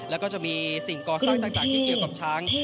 แล้วก็จะมีสิ่งก่อสร้างต่างที่เกี่ยวกับช้าง